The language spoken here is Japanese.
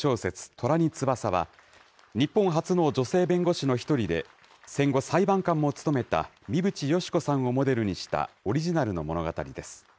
虎に翼は、日本初の女性弁護士の一人で、戦後、裁判官も務めた三淵嘉子さんをモデルにしたオリジナルの物語です。